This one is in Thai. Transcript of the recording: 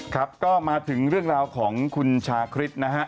ครับก็มาถึงเรื่องราวของคุณชาคริสนะฮะ